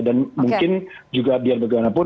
dan mungkin juga biar bagaimanapun